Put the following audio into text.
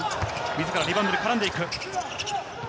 自らリバウンドに絡んでいく。